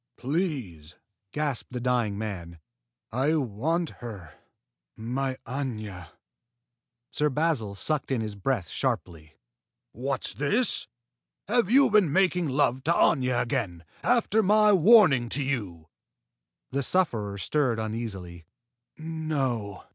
"Please!" gasped the dying man. "I want her my Aña!" Sir Basil sucked in his breath sharply. "What's this? Have you been making love to Aña again, after my warning to you?" The sufferer stirred uneasily. "No!"